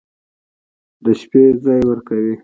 د شپې ځاى وركوي.